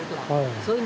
そう。